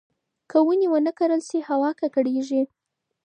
که ونې ونه کرل شي، هوا ککړېږي.